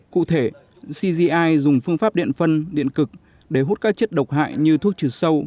cụ thể cgi dùng phương pháp điện phân điện cực để hút các chất độc hại như thuốc trừ sâu